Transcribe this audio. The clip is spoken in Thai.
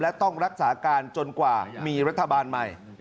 และต้องรักษาการจนกว่ามีรัฐบาลใหม่